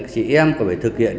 chị em còn phải thực hiện